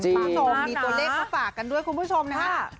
มีตัวเลขมาฝากกันด้วยคุณผู้ชมนะครับ